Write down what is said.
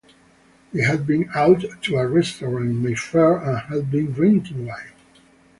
They had been out to a restaurant in Mayfair and had been drinking wine.